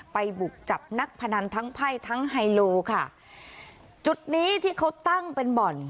บุกจับนักพนันทั้งไพ่ทั้งไฮโลค่ะจุดนี้ที่เขาตั้งเป็นบ่อน